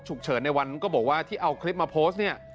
เฉินในวันก็บอกว่าที่เอาคลิปมาโพสต์เนี่ย